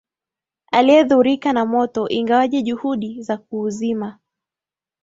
aliyedhurika na moto ingawaje juhudi za kuuzima